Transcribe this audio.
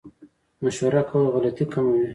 مشوره کول غلطي کموي